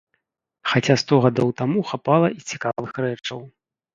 Хаця сто гадоў таму хапала і цікавых рэчаў.